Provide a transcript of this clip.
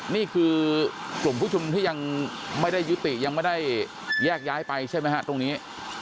นี่คือกลุ่มผู้ชุมนุมที่ยังไม่ได้ยุติยังไม่ได้แยกย้ายไปใช่ไหมฮะตรงนี้